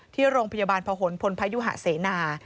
ที่โรงพยาบาลพหนพลพยุหะเสนา